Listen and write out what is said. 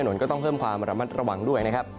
ถนนก็ต้องเพิ่มความระมัดระวังด้วยนะครับ